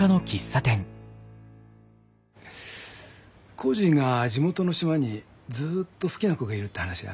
コージーが地元の島にずっと好きな子がいるって話はしたっけ？